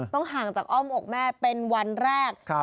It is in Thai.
ห่างจากอ้อมอกแม่เป็นวันแรก